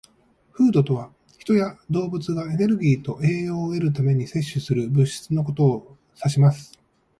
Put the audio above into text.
"Food" とは、人や動物がエネルギーと栄養を得るために摂取する物質のことを指します。